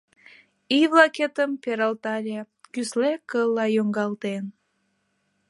Ий-влакетым пералтале, кӱсле кылла йоҥгалтен.